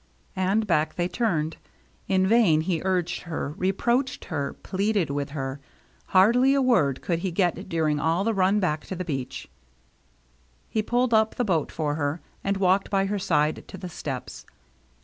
And back they turned. In vain he urged her, reproached her, pleaded with her ; hardly a word could he get during all the run back to the beach. He pulled up the boat for her, and walked by her side to the steps.